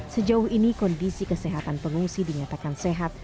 sejauh ini kondisi kesehatan pengungsi dinyatakan sehat